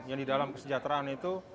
yang didalam kesejahteraan itu